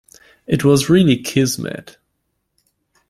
It was really kismet.